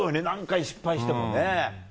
何回失敗しても。